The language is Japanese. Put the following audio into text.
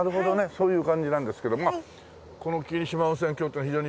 そういう感じなんですけどこの霧島温泉郷っていうのは非常に有名。